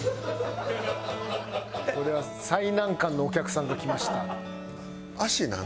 これは最難関のお客さんが来ました。